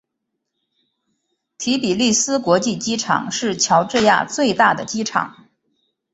提比利斯国际机场是乔治亚最大的机场。